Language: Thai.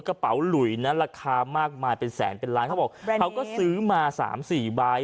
กระเป๋าหลุยนั้นราคามากมายเป็นแสนเป็นล้านเขาบอกเขาก็ซื้อมา๓๔ใบ